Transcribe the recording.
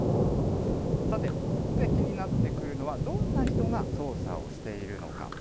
さて、ここで気になってくるのは、どんな人が操作をしているのか。